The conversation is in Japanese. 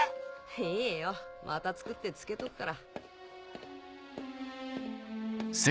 いいよまた作ってつけとくから。